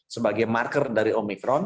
sebagai marker dari omicron